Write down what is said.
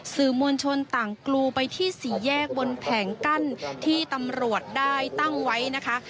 สื่อมวลชนต่างกรูไปที่สี่แยกบนแผงกั้นที่ตำรวจได้ตั้งไว้นะคะ